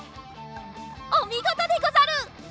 おみごとでござる！